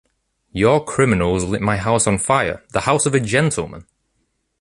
Your criminals lit my house on fire, the house of a gentleman.